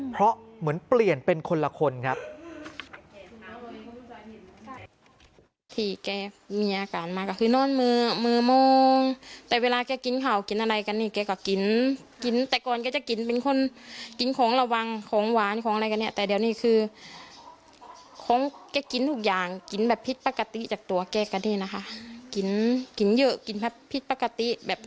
เพราะเหมือนเปลี่ยนเป็นคนละคนครับ